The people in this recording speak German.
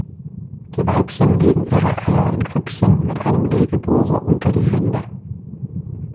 Die Weibchen legen ihre Eier in Grüppchen mit einem Legebohrer unter die Rinde.